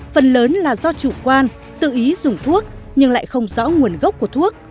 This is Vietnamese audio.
phần lớn là do chủ quan tự ý dùng thuốc nhưng lại không rõ nguồn gốc của thuốc